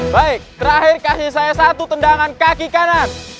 baik terakhir kaki saya satu tendangan kaki kanan